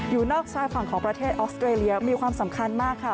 อยู่นอกชายฝั่งของประเทศออสเตรเลียมีความสำคัญมากค่ะ